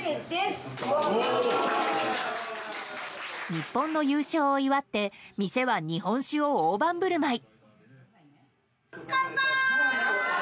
日本の優勝を祝って店は日本酒を大盤振る舞い。